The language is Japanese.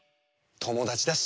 ともだちだし。